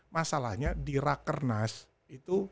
masalahnya di rakernas itu